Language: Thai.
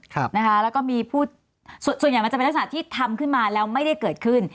แล้วก็มีผู้ส่วนใหญ่มันจะเป็นลักษณะที่ทำขึ้นมาแล้วไม่ได้เกิดขึ้น